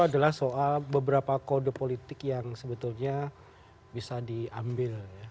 adalah soal beberapa kode politik yang sebetulnya bisa diambil